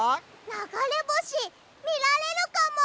ながれぼしみられるかも！